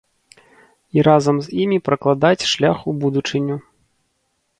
І разам з імі пракладаць шлях у будучыню.